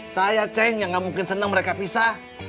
saya ceng yang gak mungkin senang mereka pisah